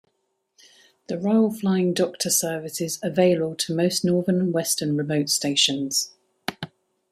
The Royal Flying Doctor service is available to most northern and western remote stations.